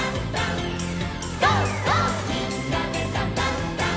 「みんなでダンダンダン」